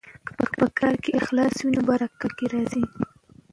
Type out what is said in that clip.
که په کار کې اخلاص وي نو برکت پکې راځي.